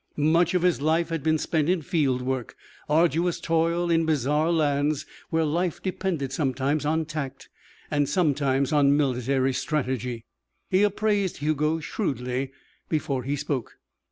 Much of his life had been spent in field work arduous toil in bizarre lands where life depended sometimes on tact and sometimes on military strategy. He appraised Hugo shrewdly before he spoke.